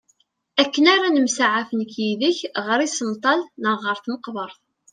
Akken ara nemsaɛaf nekk yid-k ɣer isemṭal neɣ ɣer tmeqbert.